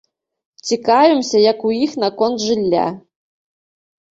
Цікавімся, як у іх наконт жылля.